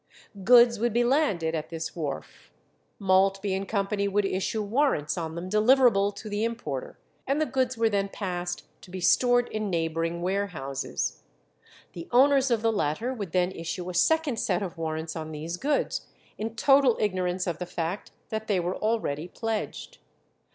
Goods would be landed at this wharf; Maltby and Co. would issue warrants on them deliverable to the importer, and the goods were then passed to be stored in neighbouring warehouses. The owners of the latter would then issue a second set of warrants on these goods, in total ignorance of the fact that they were already pledged.